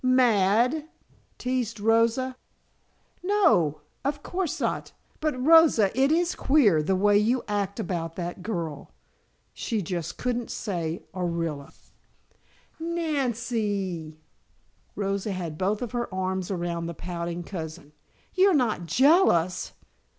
"Mad?" teased Rosa. "No, of course not. But Rosa, it is queer, the way you act about that girl." She just couldn't say Orilla. "Nan cee." Rosa had both her arms around the pouting cousin. "You're not jealous!